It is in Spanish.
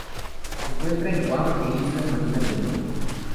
Se encuentra en Guam e Islas Marianas del Norte.